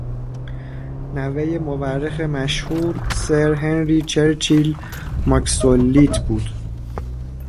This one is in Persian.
نوه مورخ مشهور سر هنری چرچیل ماکسول-لیت بود.